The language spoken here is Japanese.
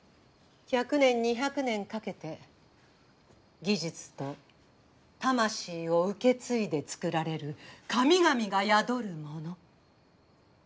１００年２００年かけて技術と魂を受け継いで作られる神々が宿るもの。